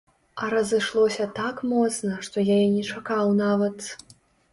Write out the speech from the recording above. А разышлося так моцна, што я і не чакаў нават.